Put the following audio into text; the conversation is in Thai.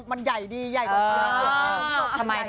มันใหญ่ดีใหญ่กว่าที่ก๊อต